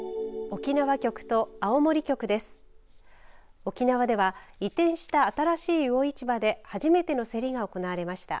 沖縄では移転した新しい魚市場で初めての競りが行われました。